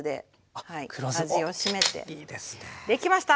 できました！